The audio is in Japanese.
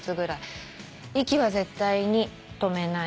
息は絶対に止めないで。